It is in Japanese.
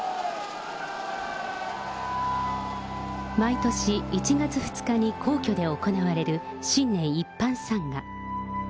毎年１月２日に皇居で行われる新年一般参賀。